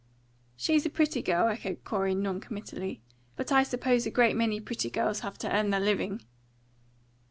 "She's a pretty girl," said Corey, non committally. "But I suppose a great many pretty girls have to earn their living."